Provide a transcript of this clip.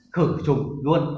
khử trục luôn